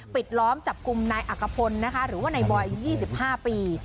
ปิดล้อมจับกลุ่มนายอักกะพลใบหรือว่าไนบอยอายุ์๒๕ปี